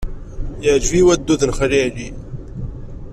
Yeɛjeb-iyi waddud n Xali Ɛli.